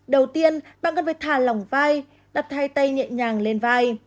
đầu tiên bạn cần phải thả lỏng vai đặt hai tay nhẹ nhàng lên vai